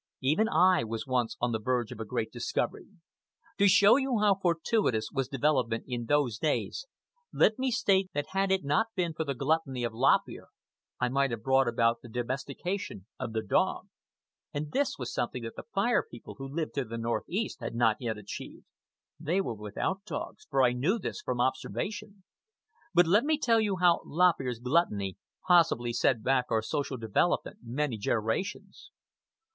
Even I was once on the verge of a great discovery. To show you how fortuitous was development in those days let me state that had it not been for the gluttony of Lop Ear I might have brought about the domestication of the dog. And this was something that the Fire People who lived to the northeast had not yet achieved. They were without dogs; this I knew from observation. But let me tell you how Lop Ear's gluttony possibly set back our social development many generations.